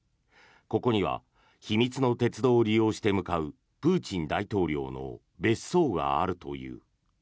ここには秘密の鉄道を利用して向かうプーチン大統領の別荘があるという。